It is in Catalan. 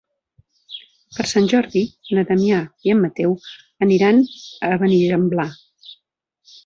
Per Sant Jordi na Damià i en Mateu aniran a Benigembla.